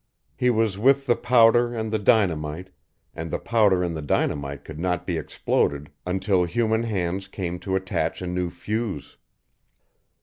He was with the powder and the dynamite, and the powder and the dynamite could not be exploded until human hands came to attach a new fuse.